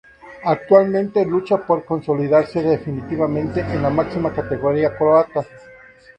Actualmente lucha por consolidarse definitivamente en la máxima categoría croata.